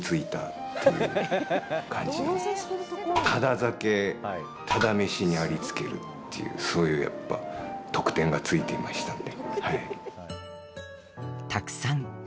もう、ほぼにありつけるっていうそういうやっぱ特典が付いていましたんで。